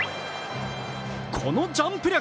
このジャンプ力。